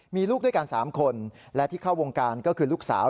มีลูกด้วยกัน๓คนและที่เข้าวงการก็คือลูกสาว